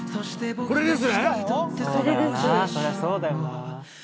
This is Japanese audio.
これです。